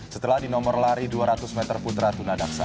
setelah di nomor lari dua ratus meter putra tunadaksa